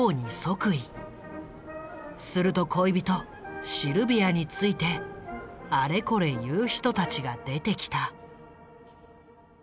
すると恋人シルビアについてあれこれ言う人たちが出てきた。